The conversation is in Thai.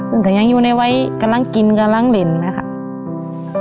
ผมก็ยังอยู่ในวัยกำลังกินกำลังเล่นนะคะ